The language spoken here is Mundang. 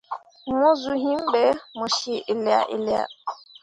Mo zuu yim be mo cii ella ella.